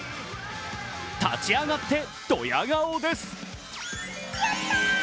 立ち上がってドヤ顔です。